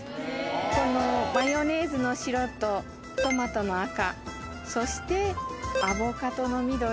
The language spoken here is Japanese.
このマヨネーズの白とトマトの赤そしてアボカドの緑